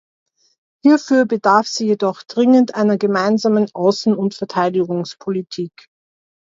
Hierfür bedarf sie jedoch dringend einer gemeinsamen Außen- und Verteidigungspolitik.